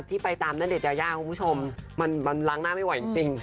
ที่ไปตามในเด็ทยาวมันล้างหน้าไม่ว่ายังจริง